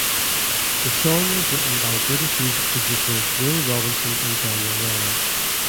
The song was written by British music producer Will Robinson and Daniel Ryan.